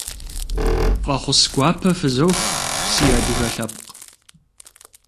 Фӏэхъус гуапэ фызох, си адыгэ лъэпкъ!